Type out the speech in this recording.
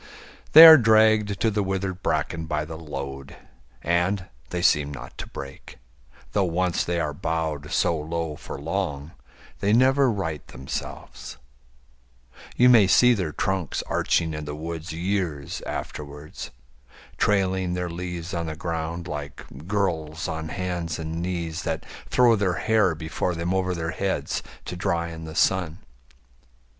They are dragged to the withered bracken by the load, And they seem not to break; though once they are bowed So low for long, they never right themselves: You may see their trunks arching in the woods Years afterwards, trailing their leaves on the ground Like girls on hands and knees that throw their hair Before them over their heads to dry in the sun.